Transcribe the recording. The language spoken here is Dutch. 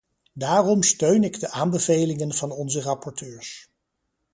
Daarom steun ik de aanbevelingen van onze rapporteurs.